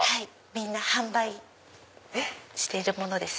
みんな販売してるものです。